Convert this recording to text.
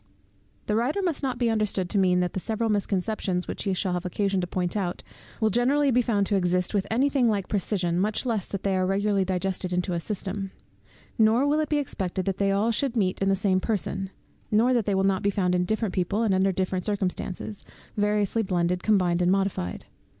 The writer must not be understood to mean that the several misconceptions, which he shall have occasion to point out, will be generally found to exist with any thing like precision, much less that they are regularly digested into a system; nor will it be expected they all should meet in the same person, nor that they will not be found in different people, and under different circumstances, variously blended, combined, and modified.